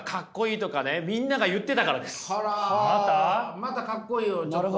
またかっこいいをちょっと。